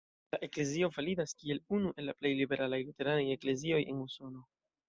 La eklezio validas kiel unu el la plej liberalaj luteranaj eklezioj en Usono.